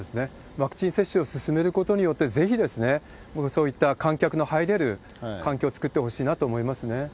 ワクチン接種を進めることによって、ぜひ、そういった観客の入れる環境を作ってほしいなと思いますね。